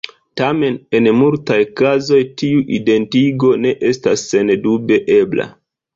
Tamen en multaj kazoj tiu identigo ne estas sendube ebla.